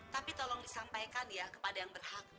tapi tolong disampaikan ya kepada yang berhak